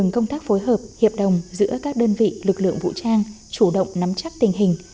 các phối hợp hiệp đồng giữa các đơn vị lực lượng vũ trang chủ động nắm chắc tình hình